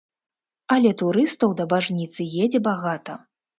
Але турыстаў да бажніцы едзе багата.